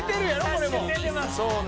これも出てます